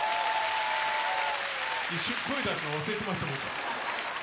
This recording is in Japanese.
一瞬声出すの忘れてました僕。